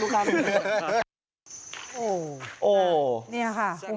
มึงเลขกูเลยไปกันเดียว